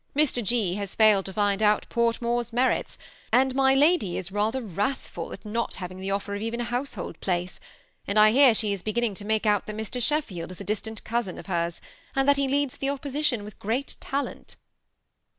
*" Mr. G. has foiled to fold out Portmore's merits, and my ladj is rather wrathfol «t not having the offer of even a household place ; and I hear she is b^inning to make out that Mr. Sheffield is a distant cousin of hers, and that he leads the opposition with great talent."